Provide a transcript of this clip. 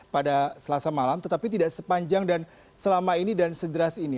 pada selasa malam tetapi tidak sepanjang dan selama ini dan sederas ini